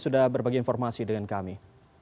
sudah berbagi informasi dengan kami